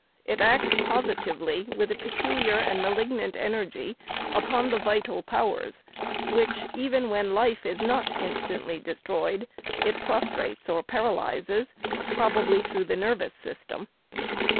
It acts positively, with a peculiar and malignant energy, upon the vital powers, which, even when life is not instantly destroyed, it prostrates or paralyzes, probably through the nervous system.